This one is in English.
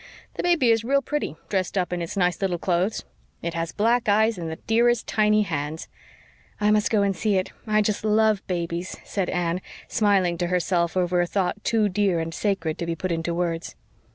The baby is real pretty, dressed up in its nice little clothes. It has black eyes and the dearest, tiny hands." "I must go and see it. I just love babies," said Anne, smiling to herself over a thought too dear and sacred to be put into words.